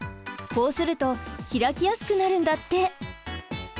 こうすると開きやすくなるんだって。